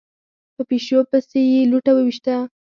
په پيشو پسې يې لوټه وويشته.